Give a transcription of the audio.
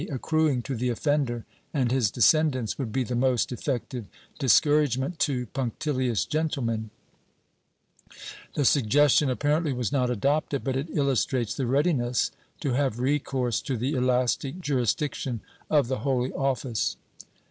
380 3IISCELLANE0 US BUSINESS [Book VIII accruing to the offender and his descendants would be the most effective discouragement to punctihous gentlemen/ The sug gestion apparently was not adopted, but it illustrates the readiness to have recourse to the elastic jurisdiction of the Holy Office.